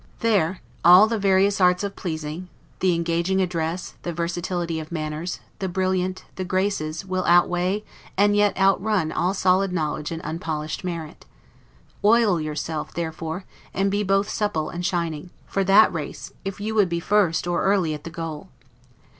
There all the various arts of pleasing, the engaging address, the versatility of manners, the brillant, the graces, will outweigh, and yet outrun all solid knowledge and unpolished merit. Oil yourself, therefore, and be both supple and shining, for that race, if you would be first, or early at the goal.